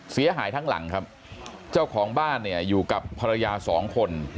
เสียหายทั้งหลังครับเจ้าของบ้านเนี่ยอยู่กับภรรยาสองคน